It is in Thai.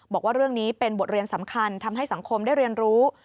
บอกว่าเรื่องนี้เป็นบทเรียนสำคัญทำให้สังคมได้เรียนรู้